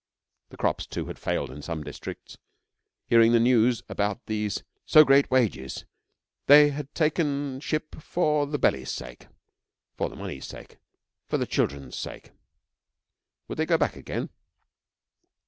The crops, too, had failed in some districts. Hearing the news about these so great wages they had taken ship for the belly's sake for the money's sake for the children's sake. 'Would they go back again?'